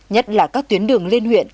nhất là các tuyến đường lên huyện